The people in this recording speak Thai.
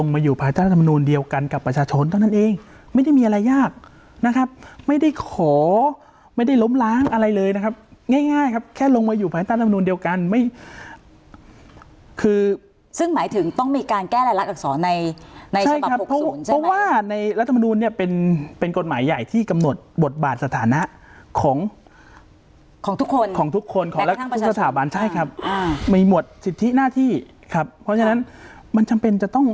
ไม่มีอะไรยากนะครับไม่ได้ขอไม่ได้ล้มล้างอะไรเลยนะครับง่ายครับแค่ลงมาอยู่ภายใต้รัฐมนุนเดียวกันคือซึ่งหมายถึงต้องมีการแก้รักษาในเฉพาะ๖ศูนย์ใช่ไหมเพราะว่ารัฐมนุนเนี่ยเป็นกฎหมายใหญ่ที่กำหนดบทบาทสถานะของทุกคนของทุกสถาบันใช่ครับมีหมวดสิทธิหน้าที่ครับเพราะฉะนั้นมันจำเป็นจะต้อง